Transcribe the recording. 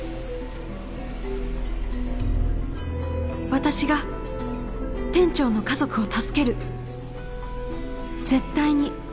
私が店長の家族を助ける絶対に